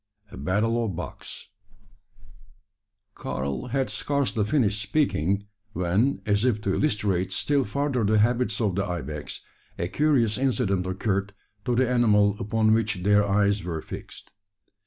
A BATTLE OF BUCKS. Karl had scarcely finished speaking, when, as if to illustrate still further the habits of the ibex, a curious incident occurred to the animal upon, which their eyes were fixed.